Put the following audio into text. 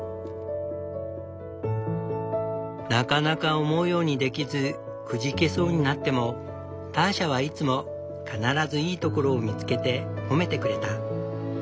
なかなか思うようにできずくじけそうになってもターシャはいつも必ずいいところを見つけて褒めてくれた。